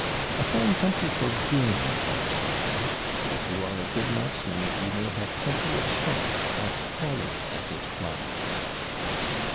A fine country for game, I'll show you; and, if you are a good marksman, you may have plenty of shots "at folly as it flies."'